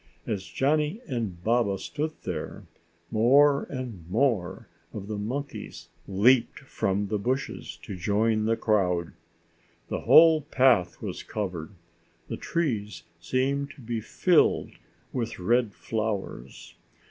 As Johnny and Baba stood there, more and more of the monkeys leaped from the bushes to join the crowd. The whole path was covered; the trees seemed to be filled with red flowers.